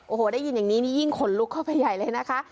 โอ้โหได้ยินอย่างนี้นี่ยิ่งขนลุกเข้าไปใหญ่เลยนะคะ